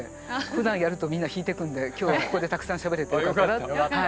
ふだんやるとみんな引いてくんで今日ここでたくさんしゃべれてよかったなって。